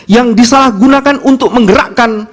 yang disalahgunakan untuk menggerakkan